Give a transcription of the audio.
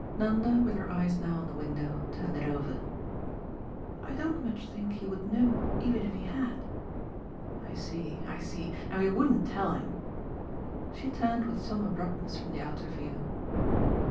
Nanda, with her eyes now on the window, turned it over. "I don't much think he would know even if he had." "I see, I see. And we wouldn't tell him." She turned with some abruptness from the outer view.